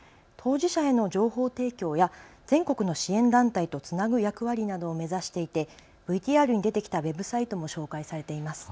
当事者への情報提供や全国の支援団体とつなぐ役割などを目指していてＶＴＲに出てきたウェブサイトも紹介されています。